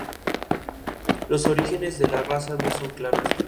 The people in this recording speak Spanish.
Los orígenes de la raza no son claros.